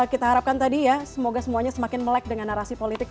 kita harapkan tadi ya semoga semuanya semakin melek dengan narasi politik